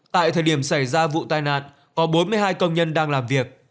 tại thời điểm xảy ra vụ tai nạn có bốn mươi hai công nhân đang làm việc